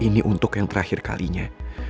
ini untuk yang terakhir kalinya